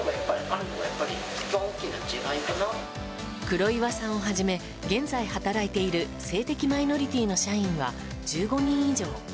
黒岩さんをはじめ現在働いている性的マイノリティーの社員は１５人以上。